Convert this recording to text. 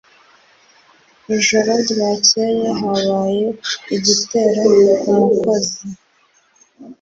Ijoro ryakeye habaye igitero ku mukozi.